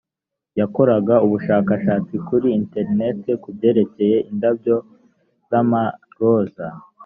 yakoraga ubushakashatsi kuri interineti ku byerekeye indabyo z amaroza